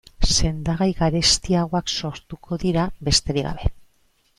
Sendagai garestiagoak sortuko dira, besterik gabe.